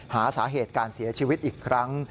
หาสาเหตุการเสียชีวิตอีกครั้ง